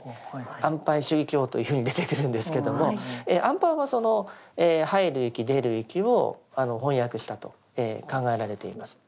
「安般守意経」というふうに出てくるんですけれども「安般」はその入る息出る息を翻訳したと考えられています。